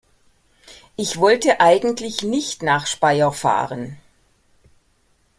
Ich wollte eigentlich nicht nach Speyer fahren